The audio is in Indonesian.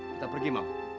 kita pergi mam